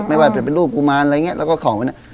ไม่ว่าจะเป็นรูปกุมารอะไรอย่างนี้